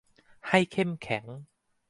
ให้เข้มแข็ง